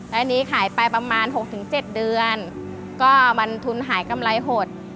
แล้วอันนี้ขายไปประมาณ๖๗เดือนก็มันทุนหายกำไรหด